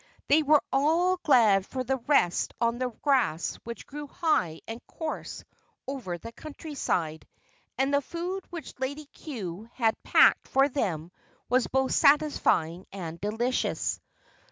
They were all glad for the rest on the grass which grew high and coarse over the countryside, and the food which Lady Cue had packed for them was both satisfying and delicious.